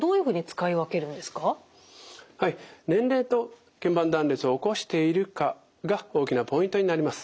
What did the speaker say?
年齢とけん板断裂を起こしているかが大きなポイントになります。